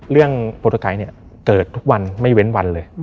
เรื่องโปรโตไครต์เนี่ยเกิดทุกวันไม่เว้นวันเลย